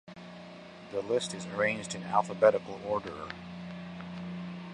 The list is arranged in alphabetical order.